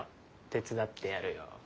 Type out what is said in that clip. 手伝ってやるよ。